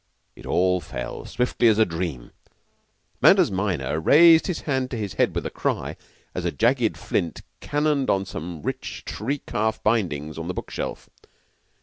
It all fell swiftly as a dream. Manders minor raised his hand to his head with a cry, as a jagged flint cannoned on to some rich tree calf bindings in the book shelf.